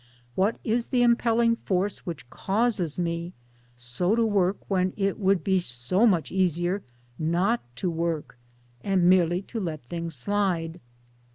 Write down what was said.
iWhat is the impelling force which causes me so to work when it would be so much easier not to work, and merely to let things slide?